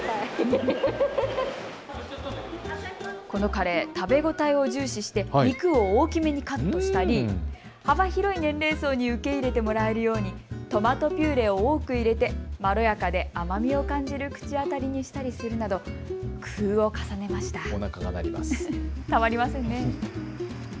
このカレー、食べ応えを重視して肉を大きめにカットしたり幅広い年齢層に受け入れてもらえるようにトマトピューレを多く入れて、まろやかで甘みを感じる口当たりにしたりするなど、工夫を重ねました。